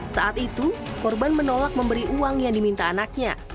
saat itu korban menolak memberi uang yang diminta anaknya